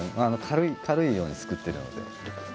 軽いように作ってるので。